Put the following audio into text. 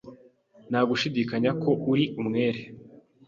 Nta gushidikanya ko ari umwere.